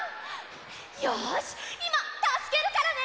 よしいまたすけるからね！